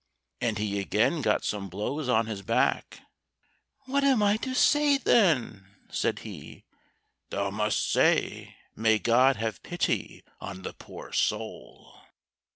And he again got some blows on his back. "What am I to say, then?" said he. "Thou must say, may God have pity on the poor soul."